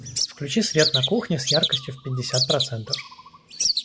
Включи свет на кухне с яркостью в пятьдесят процентов.